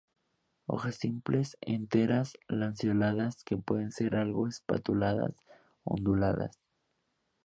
Hojas simples, enteras, lanceoladas, que pueden ser algo espatuladas, onduladas.